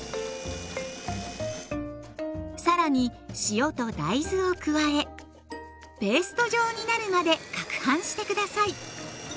更に塩と大豆を加えペースト状になるまでかくはんして下さい。